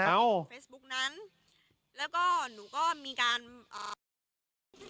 แล้วก็หนูก็มีการ